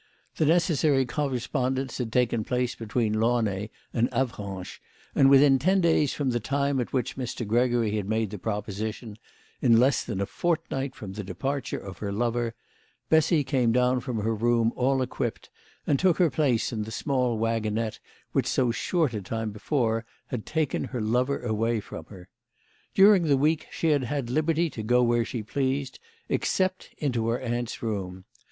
The necessary correspond ence had taken place between Launay and Avranches, and within ten days from the time at which Mr. Gregory had made the proposition, in less than a fortnight from the departure of her lover, Bessy came down from her room all equipped, and took her place in the same waggonette which so short a time before had taken her lover away from her. During the week she had had liberty to go where she pleased, except into her aunt's room.